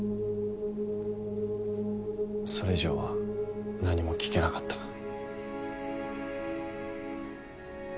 それ以上は何も聞けなかったが。